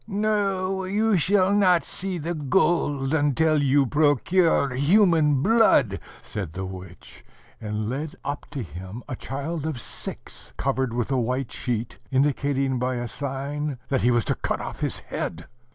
"No, you shall not see the gold until you procure human blood," said the witch, and led up to him a child of six, covered with a white sheet, indicating by a sign that he was to cut off his head.